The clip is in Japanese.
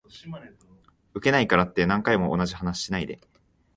ウケないからって何回も同じ話しないで